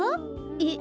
えっ？